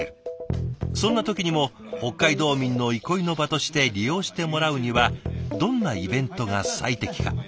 そんな時にも北海道民の憩いの場として利用してもらうにはどんなイベントが最適か？